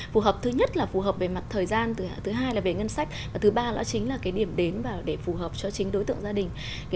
phù hợp thứ nhất là phù hợp về mặt thời gian thứ hai là về ngân sách và thứ ba nữa chính là cái điểm đến để phù hợp cho chính đối tượng gia đình